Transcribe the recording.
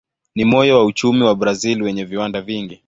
Ni moyo wa uchumi wa Brazil wenye viwanda vingi.